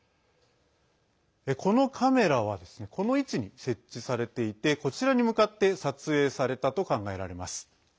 このカメラはこの位置に設置されていてこちらに向かって撮影されたと考えられます。